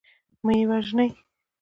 مه یې وژنی.